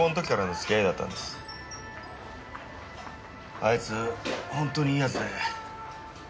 あいつほんとにいい奴で。